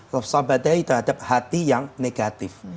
waaspadai terhadap hati yang negatif